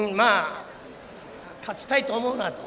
勝ちたいと思うなと。